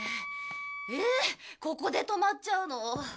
えっここで止まっちゃうの？